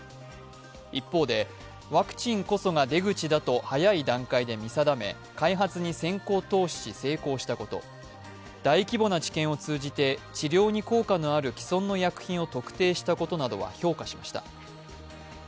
一方で、ワクチンこそが出口だと早い段階で見定め開発に先行投資し成功したこと、大規模な治験を通じて治療に効果のある既存の薬品を特定したことなどは評価しました。